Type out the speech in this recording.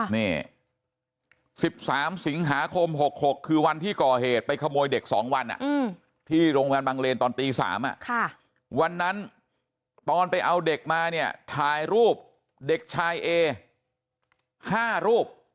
นี่๑๓สิงหาคม๖๖คือวันที่ก่อเหตุไปขโมยเด็ก๒วันที่โรงพยาบาลบางเลนตอนตี๓วันนั้นตอนไปเอาเด็กมาเนี่ยถ่ายรูปเด็กชายเอ๕รูป